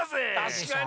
たしかに。